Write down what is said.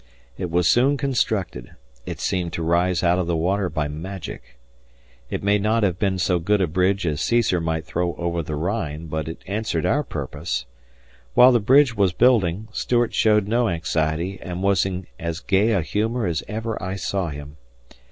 It was soon constructed it seemed to rise out of the water by magic. It may not have been so good a bridge as Cæsar threw over the Rhine, but it answered our purpose. While the bridge was building, Stuart showed no anxiety and was in as gay a humor as I ever saw him.